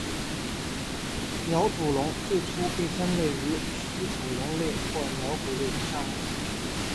鸟足龙最初被分类于虚骨龙类或角鼻龙下目。